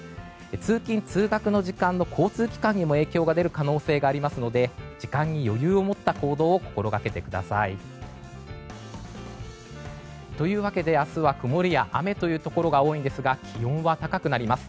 通勤・通学の時間の交通機関へ影響が出る可能性がありますので時間に余裕を持った行動を心がけてください。というわけで明日は曇りや雨のところが多いんですが気温は高くなります。